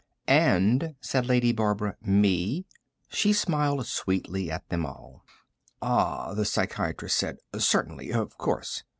"And," said Lady Barbara, "me." She smiled sweetly at them all. "Ah," the psychiatrist said. "Certainly. Of course."